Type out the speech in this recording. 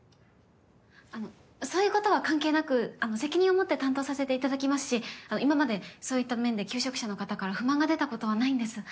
あのそういうことは関係なくあの責任を持って担当させていただきますしあの今までそういった面で求職者の方から不満が出たことはないんです。